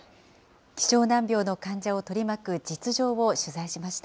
希少難病の患者を取り巻く実情を取材しました。